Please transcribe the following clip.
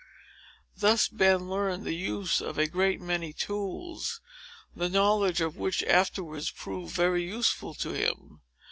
Thus Ben learned the use of a great many tools, the knowledge of which afterwards proved very useful to him.